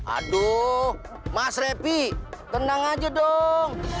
aduh mas reppi tenang aja dong